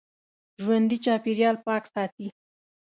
ژوندي چاپېریال پاک ساتي